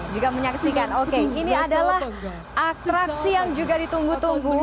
juga menyaksikan oke ini adalah atraksi yang juga ditunggu tunggu